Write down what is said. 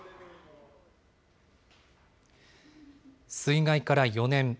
水害から４年。